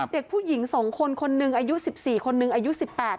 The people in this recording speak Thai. เด็กผู้หญิงสองคนคนหนึ่งอายุสิบสี่คนหนึ่งอายุสิบแปด